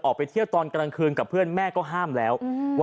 ออกไปเที่ยวตอนกลางคืนกับเพื่อนแม่ก็ห้ามแล้ว